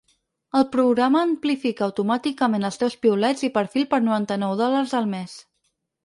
El programa amplifica automàticament els teus piulets i perfil per noranta-nou dòlars al mes.